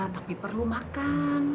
tapi perlu makan